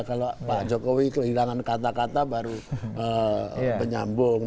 kalau pak jokowi kehilangan kata kata baru menyambung